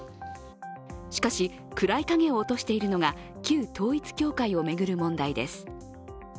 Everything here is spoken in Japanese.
しかし、暗い影を落としているのが旧統一教会を巡る問題です。